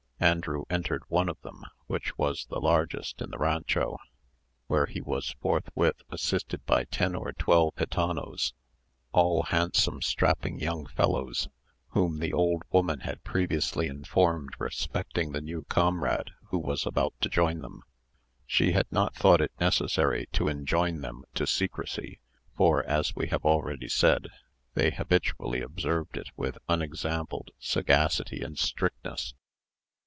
Andrew entered one of them, which was the largest in the rancho, where he was forthwith assisted by ten or twelve gitanos, all handsome strapping young fellows, whom the old woman had previously informed respecting the new comrade who was about to join them. She had not thought it necessary, to enjoin them to secrecy; for, as we have already said, they habitually observed it with unexampled sagacity and strictness.